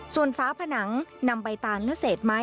ส่วนฟ้าผนังนำใบตานและเศษไม้